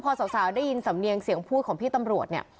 พอสาวได้ยินสำเนียงเสียงพูดของพี่ตำรวจเนี่ย